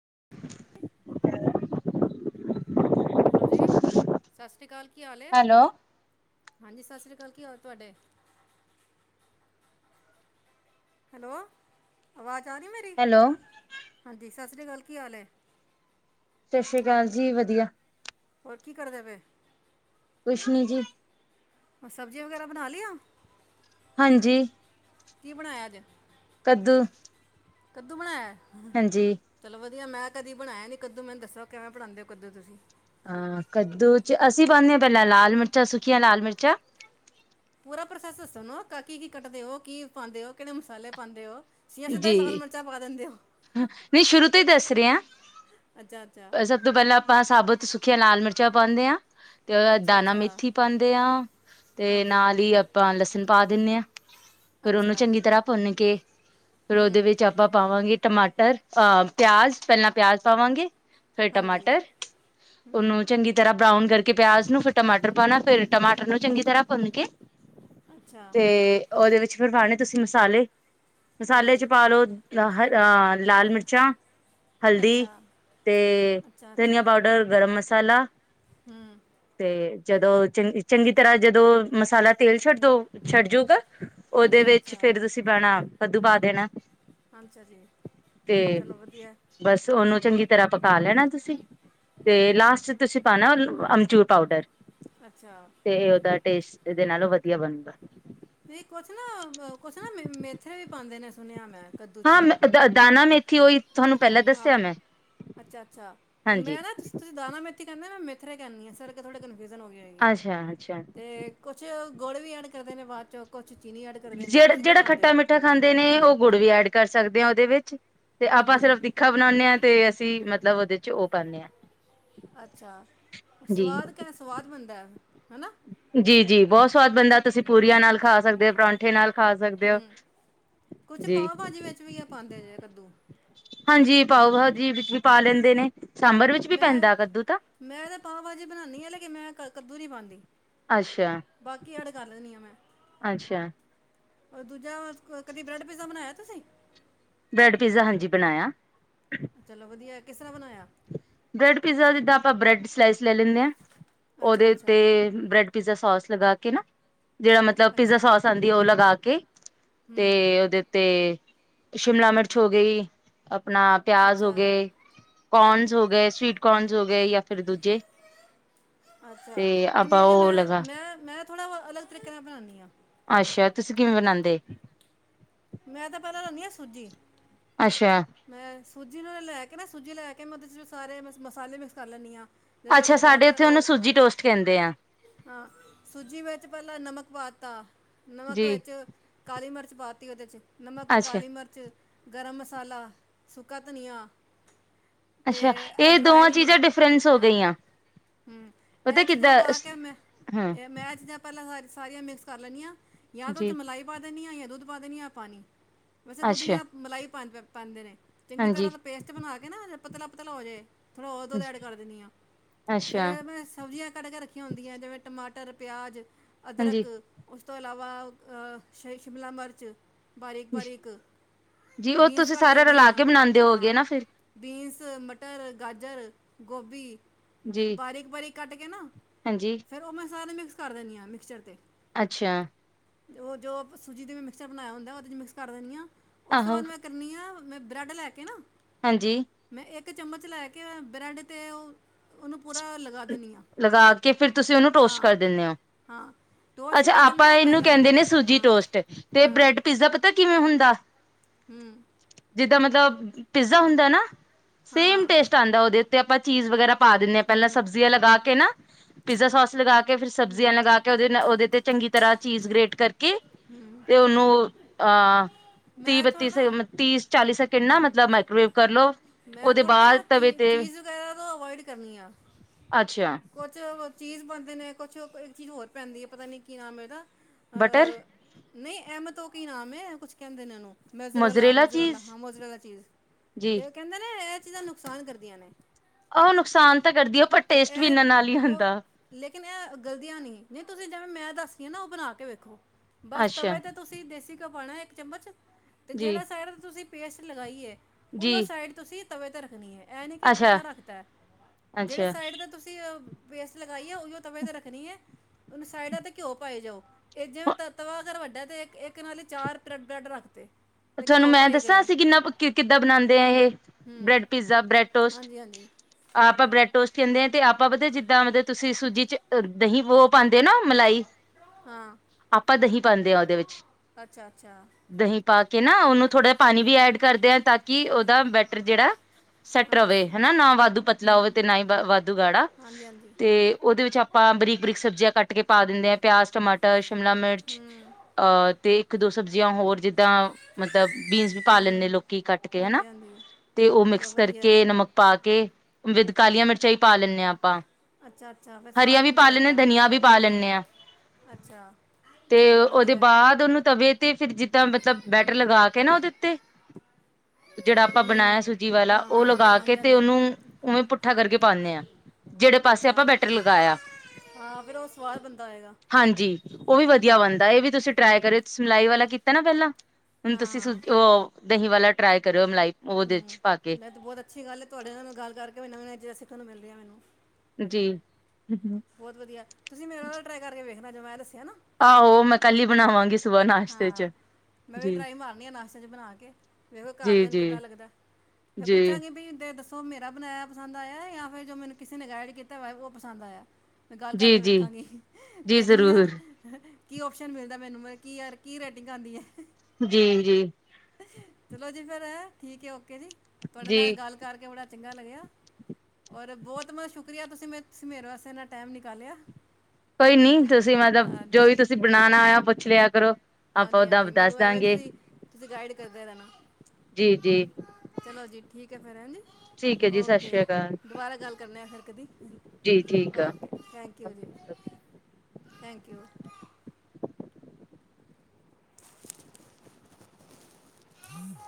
[unintelligible] Hello ਜੀ, ਸਾਸਰੀ ਕਾਲ। ਕੀ ਹਾਲ ਏ। ਹੈਲੋ [inaudible] ਹਾਂਜੀ ਸਾਸਰੀ ਕਾਲ। ਕੀ ਹਾਲ ਤੁਹਾਡੇ? ਹੈਲੋ -ਆਵਾਜ਼ ਤਾਂ ਨੀ ਮੇਰੀ। ਹੈਲੋ ਹਾਂਜੀ ਸਾਸਰੀ ਕਾਲ ਕੀ ਹਾਲ ਏ। ਸਤਿ ਸ੍ਰੀ ਅਕਾਲ ਜੀ ਵਧੀਆ ਹੋਰ ਕੀ ਕਰਦੇ ਪੇ ਕੁਛਨੀ ਜੀ ਸਬਜ਼ੀਆਂ ਵਗੈਰਾ ਬਣਾ ਲਈਆਂ ਹਾਂਜੀ ਕੀ ਬਣਾਇਆ ਅੱਜ ਕੱਦੂ ਕੱਦੂ ਬਣਾਇਆ ਹਾਂਜੀ ਚਲੋ ਵਧੀ ਮੈਂ ਕਦੀ ਬਣਾਇਆ ਨੀ ਕੱਦੂ ਮੈਨੂੰ ਦੱਸੋ ਕਿਵੇਂ ਬਣਾਉਂਦੇ ਹੋ ਕੱਦੂ ਤੁਸੀਂ ਹਾਂ ਕੱਦੂ ਚ ਅਸੀਂ ਪਾਉਦੇ ਹ ਪਹਿਲਾਂ ਲਾਲ ਮਿਰਚਾਂ ਸੁਖੀਆਂ ਲਾਲ ਮਿਰਚਾਂ ਪੂਰਾ ਪ੍ਰੋਸੈਸ ਦੱਸੋ ਨਾ ਕੀ ਕੀ ਕੱਟਦੇ ਹੋ ਕੀ ਪਾਉਂਦੇ ਹੋ ਕਿਹੜੇ ਮਸਾਲੇ ਪਾਉਂਦੇ ਓ ਜੀ ਨਹੀਂ ਸ਼ੁਰੂ ਤੋਂ ਹੀ ਦੱਸ ਰਹੇ ਅੱਛਾ ਅੱਛਾ ਹ ਸਭ ਤੋਂ ਪਹਿਲਾਂ ਆਪਾਂ ਸਾਬਤ ਆਂ ਲਾਲ ਮਿਰਚਾਂ ਪਾਉਂਦੇ ਹਾਂ ਤੇ ਅੱਛਾ ਦਾਾਨਾ ਅੱਛਾ ਮੇਥੀ ਪਾਉਂਦੇ ਹਾਂ ਤੇ ਹਾਂਜੀ ਨਾਲ ਹੀ ਆਪਾਂ ਲਸਣ ਪਾ ਦਿੰਨੇ ਹਾਂ ਫਿਰ ਉਹਨੂੰ ਅੱਛਾ ਚੰਗੀ ਤਰ੍ਹਾਂ ਭੁੰਨ ਕੇ ਫਿਰ ਉਹਦੇ ਹੂੰ ਵਿੱਚ ਆਪਾਂ ਪਾਵਾਂ ਟਮਾਟਰ ਅਹ ਪਿਆਜ਼ ਪਹਿਲਾਂ ਪਿਆਜ ਪਾਵਾਂਗੇ ਫਿਰ ਹਾਂਜੀ ਟਮਾਟਰ ਹੂੰ ਉਹਨੂੰ ਚੰਗੀ ਤਰ੍ਹਾਂ ਬਰਾਊਨ ਕਰਕੇ ਕੇ ਪਿਆਜ ਨੂੰ ਫਿਰ ਟਮਾਟਰ ਪਾਉਣਾ ਫਿਰ ਟਮਾਟਰ ਨੂੰ ਚੰਗੀ ਤਰ੍ਹਾਂ ਭੁੰਨ ਕੇ ਅੱਛਾ ਤੇ ਉਹਦੇ ਵਿੱਚ ਫਿਰ ਪਾਉਣੇ ਤੁਸੀਂ ਮਸਾਲੇ ਮਸਾਲੇ ਹਾਂਜੀ ਚ ਪਾਾਲ ਲੋ [inaudible] ਅਹ ਲਾਲ ਮਿਰਚਾਂ ਹਲਦੀ ਅੱਛਾ ਤੇ ਅੱਛਾ ਧਨੀਆ ਅੱਛਾ ਪਾਊਡਰ ਗਰਮ ਮਸਾਲਾ ਹੂੰ ਤੇ ਜਦੋਂ ਚੰ ਚੰਗੀ ਤਰ੍ਹਾਂ ਜਦੋਂ ਮਸਾਲਾ ਤੇਲ ਛੱਡ ਦੋ ਛੱਡ ਜੂਗਾ ਉਹਦੇ ਅੱਛਾ ਵਿੱਚ ਅੱਛਾ ਫਿਰ ਤੁਸੀਂ ਪੈਣਾ ਕੱਦੂ ਪਾ, ਦੇਣਾ। ਅੱਛਾ ਜੀ ਤੇ, ਚਲੋ ਵਧੀਆ ਬਸ ਉਹਨੂੰ ਚੰਗੀ ਤਰ੍ਹਾਂ ਪਕਾ ਲੈਣਾ, ਤੁਸੀਂ। ਤੇ ਹੂੰ ਲਾਸਟ ਚ ਤੁਸੀਂ ਪਾਨਾ ਅਮਚੂੂਰ ਪਾਊਡਰ। ਅੱਛਾ ਤੇ, ਉਹਦਾ ਟੇਸਟ ਇਹਦੇ ਨਾਲੋਂ ਵਧੀਆ ਬਣਦਾ। ਵੀ ਕੁਛ ਨਾ, ਕੁਛ ਨਾ, ਮੇਥ੍ਰੇ ਵੀ ਪਾਂਦੇ ਨੇ, ਸੁਣਿਆ ਮੈਂ। ਹਾਂ, ਮੈਂ ਦਾਨਾ ਮ ਆਹ, ਅੱਛਾ -ਅੱਛਾ ਉਹ ਹਾਂਜੀ ਮੈਂ ਨਾ, ਤੁਸੀਂ ਦਾਣਾ ਮੈਂ ਕਹਦਾ ਮੇਥ੍ਰੇ ਕਹਨੀ ਆ ਸਰ ਥੋੜੇ ਹੋ ਗ ਹੈਗੀ ਅੱਛਾ ਅੱਛਾ ਤੇ ਕੁਛ ਗੁੜ ਵੀ ਅਡ ਕਰਦੇ ਨੇ ਬਾਅਦ ਚੋਂ, ਕੁਛ ਚੀਨੀ ਐਡ ਕਰਦੇ ਨੇ ਜਿਹੜ, ਤੁਸੀਂ ਕੀ ਜਿਹੜਾ ਪਾਉਂਦੇ ਖੱਟਾ- ਹੋ ਮਿੱਠਾ ਖਾਂਦੇ ਨੇ, ਉਹ ਗੁੜ ਵੀ ਐਡ ਕਰ ਸਕਦੇ। ਉਹਦੇ ਵਿੱਚ ਤੇ ਆਪਾਂ ਹਾਂਜੀ ਸਿਰਫ ਤਿੱਖਾ ਬਣਾਉਦੇ ਹਾਂ, ਤੇ ਅਸੀਂ ਮਤਲਬ ਉਹਦੇ ਚ ਉਹ ਪਾਂਨੇ ਆ। ਅੱਛਾ। ਸਵਾਦ ਕਹ, ਸਵਾਦ ਬਣਦਾ। ਹੈ ਨਾ ਜੀ-ਜੀ ਬਹੁਤ ਸਵਾਦ ਬਣਦਾ ਤੁਸੀਂ ਪੂਰੀਆਂ ਨਾਲ ਖਾ ਸਕਦੇ ਓ ਪਰੌਠੇ ਨਾਲ। ਖਾ ਸਕਦੇ ਹੋ ਹਮ, ਕੁਛ ਜੀ ਪਾਓ ਭਾਜੀ ਵਿੱਚ ਵੀ ਆ ਪਾਉਂਦੇ ਜੇ ਕੱਦੂ। ਹਾਂਜੀ ਪਾਓ ਭਾਜੀ ਵਿੱਚ ਵੀ ਪਾ ਲੈਂਦੇ ਨੇ ਸਾਂਬਰ ਵਿੱਚ ਵੀ ਮੈਂ, ਪੈਂਦਾ ਕੱਦੂ ਤਾਂ ਮੈਂ ਤਾਂ ਪਾਓ ਭਾਜੀ ਬਣਾਉਦੀ ਹ ਲੇਕਿਨ ਮੈਂ ਕੱਦੂ ਨਹੀਂ ਪਾਉਂਦੀ। ਬਾਕੀ ਐਡ ਕਰ ਲੈਂਦੀ ਹਾਂ ਮੈਂ ਅੱਛਾ-ਅੱਛਾ। ਦੂਜਾ ਕਦੀ ਬ੍ਰੈਡ ਪੀਜ਼ਾ ਬਣਾਇਆ ਤੁਸੀਂ। ਬ੍ਰੈਡ ਪੀਜ਼ਾ ਹਾਂਜੀ ਬਣਾਇਆ। ਚਲੋ ਵਧੀਆ। ਕਿਸ ਤਰ੍ਹਾਂ ਬਣਾਇਆ? ਬ੍ਰੈਡ ਪੀਜ਼ਾ ਜਿੱਦਾਂ ਆਪਾਂ ਬ੍ਰੈਡ ਸਲਾਈਸ ਲੈ ਲੈਂਦੇ ਆ। ਅੱਛਾ ਉਹਦੇ ਤੇ ਅੱਛਾ ਬ੍ਰੈਡ ਪੀਜ਼ਾ ਸੋਸ। ਲਗਾ ਕੇ ਨਾ ਜਿਹੜਾ ਮਤਲਬ ਪਿਜ਼ਾ ਅੱਛਾ ਸੋਸ ਆਉਂਦੀ ਉਹ ਲਗਾ ਕੇ ਤੇ ਹੂੰ ਉਹਦੇ ਤੇ ਸ਼ਿਮਲਾ ਮਿਰਚ ਹੋ ਗਈ ਆਪਣਾ ਪਿਆਜ ਹੋ ਅੱਛਾ ਗਏ ਕੋਰਨਸ ਗਏ ਸਵੀਟ ਕੋਰਨਸ ਹੋ ਗਏ ਜਾਂ ਫਿਰ ਦੂਜੇ ਅੱਛਾ ਤੇ ਆਪਾਂ ਲੈ ਕੇ ਉਹ ਮੈਂ ਲਗਾ ਮੈਂ ਮੈਂ ਥੋੜਾ ਅਲੱਗ ਤਰੀਕੇ ਨਾਲ ਬਣਾਉਂਦੀ ਅੱਛਾ ਤੁਸੀਂ ਕਿਵੇਂ ਬਣਾਉਦੇ ਮੈਂ ਤਾਂ ਪਤਾ ਲੈਣੀ ਆ ਸੂਜੀ ਅੱਛਾ ਮੈਂ ਸੂਜੀ ਨੂੰ ਲੈ ਕੇ ਇੱਕ ਨਾ ਸੂਜੀ ਲੈ ਕੇ ਮੈਂ ਉਹਦੇ ਸਾਰੇ ਮਸਾਲੇ ਮਿਕਸ ਕਰ ਲੈਂਨੀ ਹਾਂ ਜਿਵੇਂ ਅੱਛਾ ਸਾਡੇ ਟਮਾਟਰ ਉੱਥੇ ਉਹਨੂੰ ਉਹ ਸੂਜੀ ਟੋਸਟ ਕਹਿੰਦੇ ਆ ਹਾਂ ਸੂਜੀ ਵਿੱਚ ਪਹਿਲਾਂ ਨਮਕ ਪਾ [unintelligible] ਨਮਕ ਜੀ ਵਿੱਚ ਕਾਲੀ ਮਿਰਚ [unintelligible] ਉਹਦੇ ਚ ਨਮਕ ਅੱਛਾ ਕਾਲੀ ਮਿਰਚ ਗਰਮ ਮਸਾਲਾ ਸੁੱਕਾ ਧਨੀਆ ਤੇ ਅੱਛਾ ਇਹ ਦੋਵਾਂ ਅਜਵਾਇਣ ਚੀਜ਼ਾਂ ਡਿਫਰੈਂਸ ਹੋ ਹਾਂ ਗਈਆਂ ਹਮ ਪਤਾ ਇਹ ਚੀਜ਼ਾਂ ਕਿੱਦਾਂ ਪਾ ਕੇ ਮੈਂ ਹਾਂ ਇਹ ਮੈਂ ਚੀਜ਼ਾਂ ਪਹਿਲਾ ਸਾਰੀਆਂ ਮਿਕਸ ਕਰ ਲੈੈਂਦੀ ਹਾਂ ਜਾਂ ਤਾਂ ਉਹ ਜੀ ਦੇ ਚ ਮਲਾਈ ਪਾ ਦੇਣੀ ਆਈਆਂ ਦੁੱਧ ਪਾ ਦੇਣੀ ਜਾਂ ਪਾਣੀ ਵੈਸੇ ਦੁੱਧ ਅੱਛਾ ਮਲਾਈ ਪਾ ਪਾਂਦੇ ਨੇ ਚੰਗੀ ਹਾਂਜੀ ਤਰ੍ਹਾਂ ਦਾ ਪੇਸਟ ਬਣਾ ਕੇ ਨਾ ਪਤਲਾ ਪਤਲਾ ਹੋ ਜੇ ਥੋੜ੍ਹਾ ਉਹ ਦੁੱਧ ਐਡ ਕਰ ਦਿੰਦੀ ਹਾਂ ਅੱਛਾ ਫੇਰ ਮੈਂ ਸਬਜ਼ੀਆਂ ਕੱਟ ਕੇ ਰੱਖੀਆਂ ਹੁੰਦੀਆਂ ਜਿਵੇਂ ਟਮਾਟਰ ਟਮਾਟਰ ਪਿਆਜ਼ ਹਾਂਜੀ ਅਦਰਕ ਉਸ ਤੋਂ ਇਲਾਵਾ ਸ਼ਿਮਲਾ ਮਿਰਚ ਬਾਰੀਕ ਬਾਰੀਕ ਜੀ ਉਹ ਪੀਸ ਤੁਸੀਂ ਸਾਰਾ ਰਲਾ ਕੇ ਬਣਾਉਂਦੇ ਹੋ ਗਏ ਨਾ ਫਿਰ ਬੀਨਸ ਮਟਰ ਗਾਜਰ ਗੋਭੀ ਜੀ ਬਾਰੀਕ, ਬਾਰੀਕ‌। ਕੱਟ ਕੇ, ਨਾ ਹਾਂਜੀ ਫੇਰ ਉਹ, ਮੈਂ ਸਾਰੇ ਮ ਕਰ ਦਿੰਦੀ ਆ, ਮਿਕਸਰ ਚ, ਤੇ ਅੱਛਾ। ਉਹ ਜੋ ਸੂਜੀ ਦੇ ਮਿਕਸਰ ਬਣਾਇਆ ਹੁੰਦਾ, ਉਹਦੇ ਚ ਮਿਕਸ ਕਰ ਦੇਨੀ ਆ। ਉਸ ਤੋਂ, ਆਹੋ ਬਾਅਦ ਮੈਂ ਬ੍ਰੈਡ ਲੈ, ਕੇ ਨਾ ਹਾਂਜੀ। ਮੈਂ ਇੱਕ ਚਮਚ ਲੈ ਕੇ, ਬ੍ਰੈਡ ਤੇ, ਉਹ- ਉਹਨੂੰ ਪੂਰਾ ਲਗਾ ਦਿੰਦੀ ਹਾਂ ਲਗਾ ਕੇ ਫਿਰ, ਤੁਸੀਂ ਉਹਨੂੰ ਟੋਸਟ ਕਰ ਹਾਂ ਦਿੰਦੇ ਹੋ, ਹਾਂ ਟੋਸਟ ਅੱਛਾ ਕਿਵੇਂ ਕਰਨਾ ਆਪਾਂ ਹੈ ਇਹਨੂੰ ਪਹਿਲਾਂ ਕਹਿੰਦੇ ਨੇ ਸੂਜੀ ਹਾਂ ਟੋਸਟ, ਤੇ ਹਾਂ ਬ੍ਰੈਡ ਪੀਸ ਪਤਾ ਕਿਵੇਂ ਹੁੰਦਾ। ਹੂੰ। ਜਿੱਦਾਂ ਮਤਲਬ ਪੀਜ਼ਾ ਹੁੰਦਾ ਨਾ। ਸੇਮ ਹਾਂ ਟੇਸਟ ਆਉਂਦਾ, ਉਹਦੇ ਉੱਤੇ ਆਪਾਂ ਚੀਜ਼- ਵਗੈਰਾ ਪਾ ਦਿੰਦੇ ਹਾਂ, ਪਹਿਲਾਂ ਹੂੰ ਸਬਜ਼ੀਆਂ ਲਗਾ ਕੇ ਤੇ ਨਾ, ਪੀਜ਼ਾ ਸੋਸ ਲਗਾ ਕੇ ਕੇ ਫਿਰ ਸਬਜ਼ੀਆਂ ਹੂੰ ਲਗਾ ਕੇ, ਉਹਦੇ- ਉਹਦੇ ਤੇ ਚੰਗੀ ਤਰ੍ਹਾਂ ਚੀਜ਼ ਗ੍ਰੇਟ ਕਰਕੇ- ਤੇ ਉਹਨੂੰ ਅਹ, ਤੀਹ, ਮੈਂ ਬੱਤੀ ਥੋੜਾ ਨਾ ਤੀਹ, ਚਾਲੀ ਸੈਕਿੰਡ ਨਾ, ਮਤਲਬ ਮਾਈਕ੍ਰੋਵੇਵ ਕਰਲੋ, ਮੈਂ ਉਹਦੇ ਥੋੜਾ ਨਾ ਬਾਅਦ ਤਵੇ ਚੀ- ਤੇ ਚੀਜ਼ ਵਗੈਰਾ ਤੋਂ ਅਵੋਇਡ ਕਰਨੀ ਆ। ਅੱਛਾ। ਕੁਛ ਚੀਜ਼ ਪਾਉਦੇ ਨੇ, ਕੁਛ ਇੱਕ ਚੀਜ਼ ਹੋਰ ਪੈਂਦੀ ਹੈ, ਪਤਾ ਨੀ ਕੀ ਨਾਮ ਇਹਦਾ। ਬਟਰ ਨਹੀਂ ਐਮ ਤੋਂ ਕੀ ਨਾਮ ਹੈ, ਕੁਛ ਕਹਿੰਦੇ ਨੇ ਇਹਨੂੰ। ਮੈਜ਼ਰੋਲਾ ਮੋਜਰੇਲਾ ਮਜ਼ਰੋਲਾ ਚੀਜ਼ ਹਾਂ, ਮੋਜ਼ਰੋ ਚੀਜ਼ ਜੀ ਤੇ ਕਹਿੰਦੇ ਨੇ ਇਹ ਇਹਦਾ ਨੁਕਸਾਨ ਕਰਦੀਆਂ ਨੇ। ਉਹ ਨੁਕਸਾਨ ਤਾਂ ਕਰਦੀ ਆ ਪਰ ਟੇਸਟ ਵੀ ਇਹਨਾਂ ਨਾਲ ਇਹ ਹੀ ਬ ਹੁੰਦਾ ਲੇਕਿਨ ਇਹ ਗਲਤੀਆਂ ਨੀ, ਨਹੀ ਤੁਸੀਂ ਜਿਵੇਂ ਮੈਂ ਦਸ ਤੁਸੀ ਨਾ ਉਹ ਬਣਾ ਕੇ, ਵੇਖੋ। ਬਸ ਅੱਛਾ ਤਵੇਂ ਤੇ, ਤੁਸੀਂ ਦੇਸੀ ਪਾਉਣਾ ਇੱਕ ਚਮਚ ਤੇ ਜੀ ਜਿਹੜਾ ਸਾਈਡ ਤੁਸੀਂ ਪੇਸਟ ਲਗਾਈਏ। ਉਹੋ ਜੀ ਸਾਈਡ ਤੁਸੀਂ ਤਵੇ ਤੇ ਰੱਖਣੀ ਏ। ਇਹ ਨਹੀਂ ਕਿ ਅੱਛਾ ਪੁੱਠਾ ਰੱਖਤਾ, ਜਿਹੜੇ ਅੱਛਾ ਸਾਈਡ ਤੇ ਤੁਸੀਂ [inaudible] ਸਾਈਡਾਂ ਤੇ ਘਿਓ ਪਾਈ ਜਾਉ ਇਹ ਜਿਵੇਂ ਤਵਾ ਅਗਰ ਵੱਡਾ ਤੇ ਇੱਕ ਇੱਕ ਨਾਲ ਹੀ ਚਾਰ ਬਰੈੱਡ ਰੱਖ ਦੋ ਤੁਹਾਨੂੰ ਮੈਂ ਦੱਸਾਂ ਅਸੀਂ ਕਿੰਨਾ ਕਿੱਦਾਂ ਬਣਾਦੇ ਆ ਇਹ ਹੂੰ ਬ੍ਰੈਡ ਪੀਜ਼ਾ, ਬ੍ਰੈਡ ਟੋਸਟ, ਹਾਂਜੀ ਹਾਂਜੀ ਆਪਾ ਬ੍ਰੈਡ ਟੋਸਟ ਕਹਿੰਦੇ ਆ ਤੇ ਆਪਾਂ ਪਤਾ ਜਿੱਦਾਂ ਮਤਲਬ ਤੁਸੀਂ ਸੂਜੀ ਚ ਦਹੀਂ [unintelligible] ਪਾਂਦੇ ਨਾ ਮਲਾਈ, ਹਾਂ ਆਪਾਂ ਦਹੀਂ [unintelligible] [inaudible] [unintelligible] ਕੇ ਨਾ ਉਹਨੂੰ ਥੋੜਾ ਪਾਣੀ ਵੀ ਐਡ ਕਰਦੇ ਤਾਂ ਕਿ ਉਹਦਾ ਬੈਟਰ ਜਿਹੜਾ ਸੈੱਟ ਹਾਂ ਰਵੇ, ਸ- ਹਨਾ ਨਾ ਵਾਧੂ ਪਤਲਾ ਹੋਵੇ ਹੂੰ ਤੇ ਨਾ ਹੀ ਵਾਧੂ ਗਾੜਾ ਹਾਂਜੀ ਹਾਂਜੀ ਤੇ ਉਹਦੇ ਵਿੱਚ ਆਪਾਂ ਬਰੀਕ ਬਰੀਕ ਸਬਜ਼ੀਆਂ ਕੱਟ [unintelligible] ਕੇ ਪਾ ਦਿੰਦੇ ਆ ਪਿਆਜ਼, ਟਮਾਟਰ। ਸ਼ਿਮਲਾ ਮਿਰਚ ਹੂੰ ਅਹ ਤੇ ਇੱਕ ਦੋ [unintelligible] ਏਦਾਂ ਮਤਲਬ ਬੀਜ ਪਾ ਲੈਂਦੇ ਹੂੰ ਲੋਕੀ ਕੱਟ ਕੇ ਹੈਣਾ ਹਾਂਜੀ ਹਾਂਜੀ ਤੇ ਉਹ ਚਲੋ ਮਿਕਸ ਵਧੀਆ ਹੈ। ਕਰਕੇ ਨਮਕ ਪਾ ਕੇ ਵਿਚ ਕਾਲੀਆਂ ਮਿਰਚਾਂ ਹੀ ਪਾ ਲੈਣੇ ਹਾਂ ਆਪਾਂ ਅੱਛਾ ਅੱਛਾ ਫਿਰ ਸਵਾਦ ਹਰੀਆਂ ਵੀ ਪਾ ਬਣਦਾ ਲੈਣੇ ਆ ਹੋਏਗਾ ਧਨੀਆ ਵੀ ਪਾ ਲੈਣੇ ਆ ਅੱਛਾ ਤੇ ਚਲੋ ਉਹਦੇ ਵਧੀਆ ਹੈ। ਬਾਅਦ ਉਹਨੂੰ ਤਵੇ ਤੇ ਫਿਰ ਜਿੱਦਾਂ ਬੈਟਰ ਲਗਾ ਕੇ ਨਾ ਓਦੇ ਉੱਤੇ ਜਿਹੜਾ ਆਪਾਂ ਹੂੰ ਬਣਾਇਆ ਸੂਜੀ ਵਾਲਾ ਹਾਂ ਉਹ ਹਾਂ ਲਗਾ ਕੇ ਹਾਂਜੀ ਤੇ ਹਾਂਜੀ ਉਹਨੂੰ ਉਵੇਂ ਪੁੱਠਾ ਕਰਕੇ ਪਾਣੇ ਆ ਜਿਹੜੇ ਪਾਸੇ ਆਪਾਂ ਅੱਛਾ ਬੈਟਰ ਲਗਾਇਆ ਹਾਂ ਫਿਰ ਉਹ ਸਵਾਦ ਬਣਦਾ ਹੋਏਗਾ ਹਾਂਜੀ ਉਹ ਵੀ ਵਧੀਆ ਬਣਦਾ ਇਹ ਵੀ ਤੁਸੀਂ ਟਰਾਈ ਕਰਿ ਸਿਲਾਈ ਵਾਲਾ ਕੀਤਾ ਨਾ ਪਹਿਲਾਂ ਹਾਂ ਹਾਂ [unintelligible] ਦਹੀਂ ਵਾਲਾ ਟਰਾਈ ਕਰਿਓ ਮਲਾਈ ਉਹਦੇ ਚ ਪਾ ਕੇ [inaudible] [inaudible] [unintelligible] [unintelligible] [unintelligible] ਆਹੋ ਮੈਂ ਕੱਲੀ ਬਣਾਵਾਂਗੀ [inaudible] [inaudible] ਸੁਬਾਹ ਨਾਸ਼ਤੇ ਚ ਜੀ ਜੀ ਜੀ ਜੀ ਮੈਂ ਗੱਲ ਜੀ ਕਰਕੇ ਜੀ ਵੇਖਾਂਗੀ ਜੀ ਦੇਖਣੀ ਆ ਜ਼ਰੂਰ ਕੀ ਓਪਸ਼ਨ ਮਿਲਦਾ ਮੈਨੂੰ [inaudible] ਜੀ ਜੀ ਚਲੋ ਜੀ ਫਰ ਹੈ [inaudible] [inaudible] ਜੀ ਚੰਗਾ ਲੱਗਿਆ ਔਰ ਬਹੁਤ ਮ ਸ਼ੁਕਰੀਆ ਤੁਸੀਂ ਮੈਂ ਤੁਸੀ ਮੇਰੇ ਵਾਸਤੇਨਾ ਟਾਈਮ ਨਿਕਾਲਿਆ। ਕੋਈ ਨੀ ਤੁਸੀਂ ਮਤਲਬ ਜੋ ਹਾਂਜੀ ਵੀ ਤੁਸੀਂ ਬਣਾਣਾ ਹੋਇਆ ਪੁੱਛ ਲਿਆ। ਕਰੋ। ਆਪਾਂ ਹਾਂਜੀ ਓਦਾਂ ਹਾਂਜੀ, ਦੱਸ ਮੈਨੂੰ ਐਵੇਂ ਦਾਂਗੇ ਤੁਸੀ ਤੁਸੀਂ ਗਾਈਡ ਕਰਦੇ ਰਹਿਣਾ ਜੀ ਜੀ ਚਲੋ ਜੀ। ਠੀਕ ਹੈ ਫਿਰ ਏਂਜੀ। ਠੀਕ ਹੈ ਜੀ ਸਤਿ ਓਕੇ ਸ੍ਰੀ ਅਕਾਲ ਦੁਬਾਰਾ ਗੱਲ ਕਰਨ ਐ ਫਿਰ ਕਦੀ ਜੀ ਠੀਕ ਓਕੇ ਥੈਂਕ ਯੂ ਜੀ। ਆ ਥੈਂਕ ਯੂ। [unintelligible]